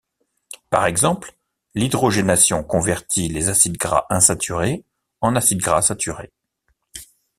Par exemple, l'hydrogénation convertit les acides gras insaturés en acides gras saturés.